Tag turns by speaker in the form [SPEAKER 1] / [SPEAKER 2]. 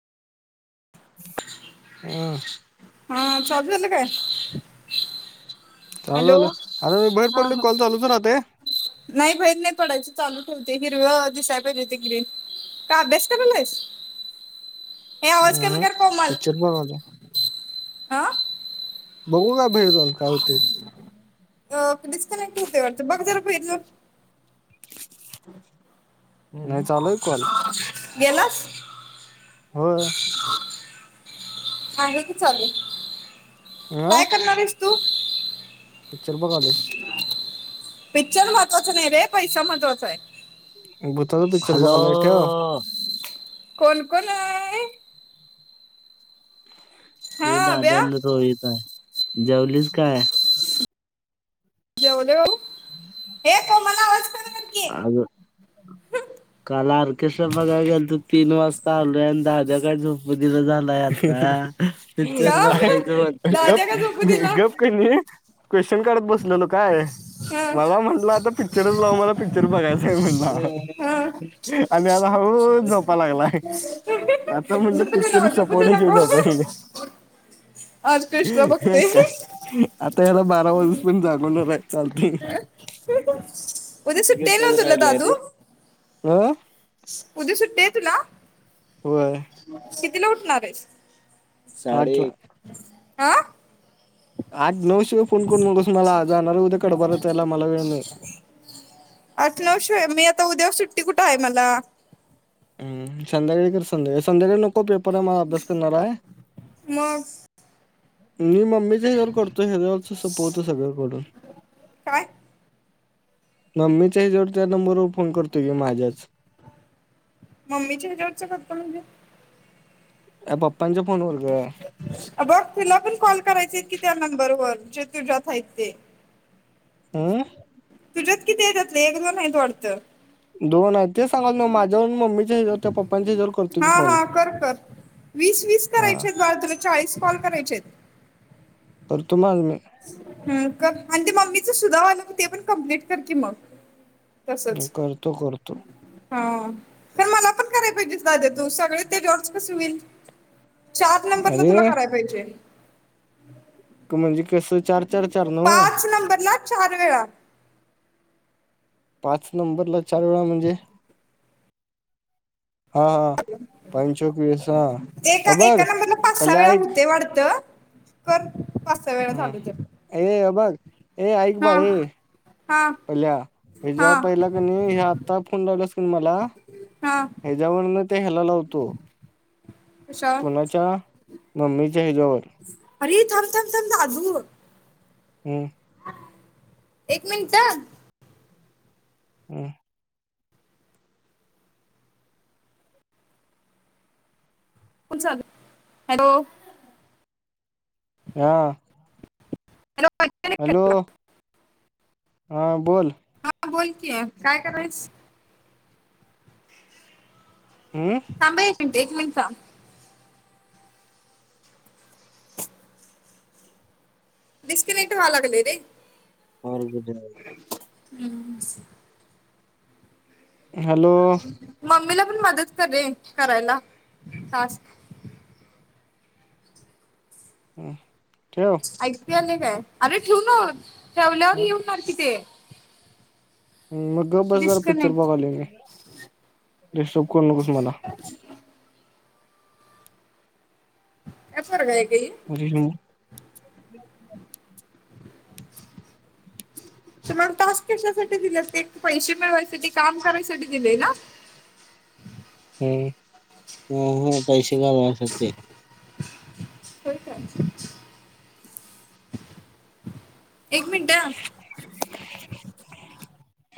[SPEAKER 1] हम्म.
[SPEAKER 2] हा चालू झाल काय?
[SPEAKER 1] चालू
[SPEAKER 2] हॅलो
[SPEAKER 1] झालं
[SPEAKER 2] हा
[SPEAKER 1] आर मी बाहेर पडले
[SPEAKER 2] हा
[SPEAKER 1] कॉल चालूत राहते.
[SPEAKER 2] नाही बाहेर नाही पडायच चालू ठेवते हिरव दिसाय पाहिजे ते ग्रीन का अभ्यास करायलायस ऐ आवाज कमी
[SPEAKER 1] हम्म
[SPEAKER 2] कर कोमल
[SPEAKER 1] पिक्चर बघालोय
[SPEAKER 2] ह.
[SPEAKER 1] बघू का बाहेर जाऊन काय होते.
[SPEAKER 2] अ डिस्कनेक्ट होते वाटतं, बघ जरा बाहेर जाऊन
[SPEAKER 1] नाही, चालूये कॉल
[SPEAKER 2] गेलास
[SPEAKER 1] होय.
[SPEAKER 2] माझं तर चालू ये.
[SPEAKER 1] आ.
[SPEAKER 2] करणार आहेस तू
[SPEAKER 1] पिक्चर बघालोय.
[SPEAKER 2] पिक्चर महत्त्वाचा नाही ये रे पैसा महत्वाचा आहे.
[SPEAKER 1] भुताचा पिक्चर बघायला लागला काय
[SPEAKER 2] कोण कोण आहे. हा
[SPEAKER 1] मी दाद्या
[SPEAKER 2] अभ्या
[SPEAKER 1] अन रोहीत आहे, जेवलीस काय?
[SPEAKER 2] जेवलो हे कोण
[SPEAKER 1] आजून काल आर्केस्ट्रा बघाय गेलतो तीन वाजता आलोय, आणि दाद्या काय झोपु दिना झालाय आता
[SPEAKER 2] का
[SPEAKER 1] पिक्चर बघायचं फक्त बघ
[SPEAKER 2] दाद्या का झोपू
[SPEAKER 1] गप
[SPEAKER 2] दिला
[SPEAKER 1] गप क णी क्वेश्चन काढत बसलेलो काय
[SPEAKER 2] हा
[SPEAKER 1] मला म्हटला आता पिक्चरच लाव मला पिक्चर पिक्चर बघायचंय म्हणे
[SPEAKER 2] हा
[SPEAKER 1] मला आणि आता हळु हळु झोप झोपा लागलाय
[SPEAKER 2] झोपू
[SPEAKER 1] आता
[SPEAKER 2] दे
[SPEAKER 1] म्हटलं पिक्चर
[SPEAKER 2] नको झोपू दे
[SPEAKER 1] संपवल्या शिवाय
[SPEAKER 2] नको
[SPEAKER 1] झोपयच नाही.
[SPEAKER 2] आज कृष्णा
[SPEAKER 1] ह
[SPEAKER 2] बघते
[SPEAKER 1] काय आता याला बारा वाजूस पर्यत जागवणार आहे चालतय.
[SPEAKER 2] उद्या सुट्टी आहे नव तुला दादू.
[SPEAKER 1] कुणाला.
[SPEAKER 2] उद्या सुट्टी आहे तुला,
[SPEAKER 1] होय
[SPEAKER 2] कितीला उठणार आहेस?
[SPEAKER 1] साडे एक.
[SPEAKER 2] आ.
[SPEAKER 1] आठ नऊ शिवाय फोन करून नकोस मला, जाणार उद्या कडबा रचायला मला वेळ नाही.
[SPEAKER 2] आठ नऊ शिवाय, मी आता उद्या सुट्टी कुठे आहे मला.
[SPEAKER 1] हम्म संध्याकाळी कर, संध्या संध्याकाळी, नको पेपर आहे मला अभ्यास करणारा आहे.
[SPEAKER 2] मग
[SPEAKER 1] मी मम्मीच्या हेच्यावर करतोय ह्याच्यावरच सोपवतो सगळ्याकडून.
[SPEAKER 2] काय?
[SPEAKER 1] ममीच्या हेच्यावरन त्या नंबरवर फोन करतोय की माझ्याच.
[SPEAKER 2] मम्मीचे हेच्यावरच करतोय म्हणजे.
[SPEAKER 1] अ पप्पांच्या फोनवर गं!
[SPEAKER 2] अ बघ तुला पण कॉल करायचे की त्या नंबरवर, जे तुझ्यात आहेत ते. [inaudible]
[SPEAKER 1] हम्म.
[SPEAKER 2] तुझ्यात किती आहेत, त्यात एक-दोन आहेत वाढत?
[SPEAKER 1] दोन आहे, ते सांगालोय मग माझ्यावर, मम्मीच्या हेच्यावर, त्या पप्पांच्या हेज्यावर
[SPEAKER 2] हा, हा, कर-कर वीस-वीस
[SPEAKER 1] हा
[SPEAKER 2] करायचे आहेत, बाळ तुला चाळीस कॉल करायचे आहेत?
[SPEAKER 1] करतो माझ मी.
[SPEAKER 2] हम्म आणि ते मम्मीच सुद्धा आलं ते पण कमप्लीट कर की मग. तसंच.
[SPEAKER 1] करतो करतो
[SPEAKER 2] हा खर मला पण करायला पाहिजे दाद्या तू, सगळे ते जॉर्ज कसे होईल. चार नंबरला तुला
[SPEAKER 1] अरे
[SPEAKER 2] करायला पाहिजे.
[SPEAKER 1] तू म्हणजे कसं चार चार चार नव
[SPEAKER 2] पाच नंबरला चार वेळा.
[SPEAKER 1] पाच नंबरला चार वेळा म्हणजे हा हा. पंचोकवीस हा अ बघ
[SPEAKER 2] एका-एका नंबर ला पाच सहा
[SPEAKER 1] पल्या
[SPEAKER 2] वेळा
[SPEAKER 1] ऐक
[SPEAKER 2] होतय वाढत. कर पाच सहा वेळा
[SPEAKER 1] हा.
[SPEAKER 2] झाल तर.
[SPEAKER 1] ए हे बघ, ए आऐक
[SPEAKER 2] हा
[SPEAKER 1] बाळ हे.
[SPEAKER 2] हा
[SPEAKER 1] पिल्या ही
[SPEAKER 2] हा
[SPEAKER 1] वर पहिल्या कणी, हे आता फोन लावल्यास कणी मला.
[SPEAKER 2] हा
[SPEAKER 1] हेज्यावरण ते ह्याला लावतो,
[SPEAKER 2] कशावर
[SPEAKER 1] कोणाच्या मम्मीच्या हेच्यावर.
[SPEAKER 2] अरे थांब थांब थांब दादु.
[SPEAKER 1] हम्म.
[SPEAKER 2] एक मिनिट ह.
[SPEAKER 1] हम.
[SPEAKER 2] फोन चालु हॅलो!
[SPEAKER 1] हा.
[SPEAKER 2] हॅलो. ऐकाय
[SPEAKER 1] हॅलो. हां बोल.
[SPEAKER 2] हा बोल की, काय करायलाईस.
[SPEAKER 1] हम.
[SPEAKER 2] थांबा एक मिनट, एक मिनिट थांब. डिस्कनेक्ट व्हयलागल नय?
[SPEAKER 1] व्हेरी गुड जाॅब- [unintelligible] [inaudible]
[SPEAKER 2] [inaudible] हम्म मम्मीला पण मदत करेल, करायला टास्क
[SPEAKER 1] हम् ठेव
[SPEAKER 2] ऐकते अ काय अरे ठेवना ठेवल्यावर लिहून काढ की ते
[SPEAKER 1] मग गप बस जरा पिक्चर
[SPEAKER 2] डिस्कनेक्ट
[SPEAKER 1] बघायलो मी डिस्टर्ब करू नकोस मला
[SPEAKER 2] काय पोरगय हे
[SPEAKER 1] हो [unintelligible] [unintelligible] [inaudible]
[SPEAKER 2] [unintelligible] [inaudible] तर तुला टास्क कशासाठी दिल्यात ते? पैसे मिळवायसाठी काम करायसाठी दिलय ना?
[SPEAKER 1] हम्, ह, हा पैसे मिळवण्यासाठी
[SPEAKER 2] [unintelligible] एक मिनटं आ
[SPEAKER 1] [inaudible]